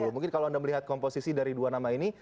mungkin kalau anda melihat komposisi dari dua nama ini